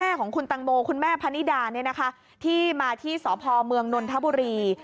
ของคุณตังโมคุณแม่พนิดาที่มาที่สพเมืองนนทบุรี